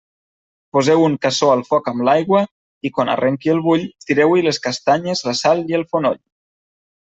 Poseu un cassó al foc amb l'aigua i, quan arrenqui el bull, tireu-hi les castanyes, la sal i el fonoll.